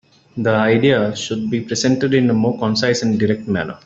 The ideas should be presented in a more concise and direct manner.